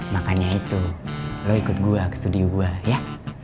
makanya itu lo ikut gue ke studio gue ya